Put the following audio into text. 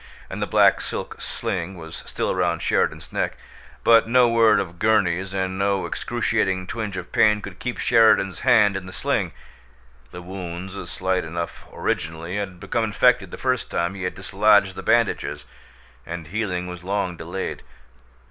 And the black silk sling was still round Sheridan's neck, but no word of Gurney's and no excruciating twinge of pain could keep Sheridan's hand in the sling. The wounds, slight enough originally, had become infected the first time he had dislodged the bandages, and healing was long delayed.